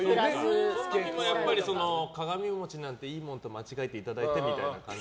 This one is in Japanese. でも鏡餅なんていいものと間違えていただいてみたいな。